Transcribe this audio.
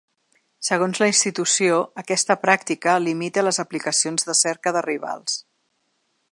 Segons la institució, aquesta pràctica limita les aplicacions de cerca de rivals.